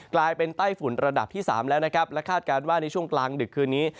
ไต้ฝุ่นระดับที่๓แล้วนะครับและคาดการณ์ว่าในช่วงกลางดึกคืนนี้